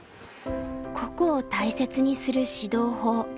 個々を大切にする指導法。